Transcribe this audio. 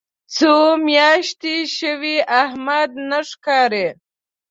څو میاشتې شوې احمد نه ښکاري.